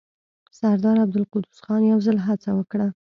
سردار عبدالقدوس خان يو ځل هڅه وکړه.